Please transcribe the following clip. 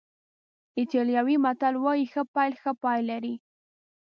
ایټالوي متل وایي ښه پیل ښه پای لري.